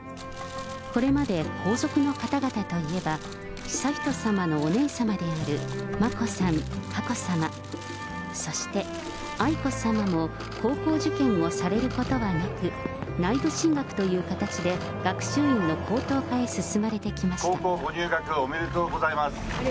これまで皇族の方々といえば、悠仁さまのお姉さまである眞子さん、佳子さま、そして愛子さまも高校受験をされることはなく、内部進学という形で、学習院の高等科へ進まれてきました。